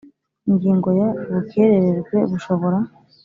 Ingingo ya ubukerererwe bushobora